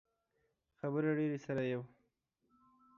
خبرې ډیرې سر ئې یؤ